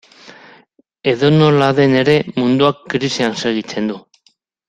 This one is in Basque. Edonola den ere, munduak krisian segitzen du.